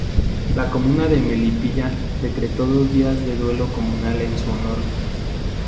La comuna de Melipilla decretó dos días de duelo comunal en su honor.